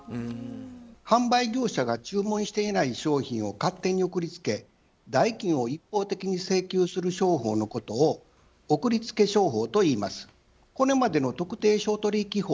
販売業者が注文していない商品を勝手に送り付け代金を一方的に請求する商法のことを「送り付け商法」といいます。